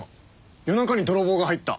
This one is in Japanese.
夜中に泥棒が入った。